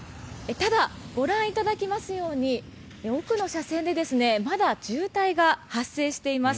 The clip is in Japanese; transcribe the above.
ただ、ご覧いただけますように奥の車線でまだ渋滞が発生しています。